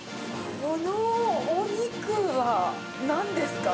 このお肉はなんですか？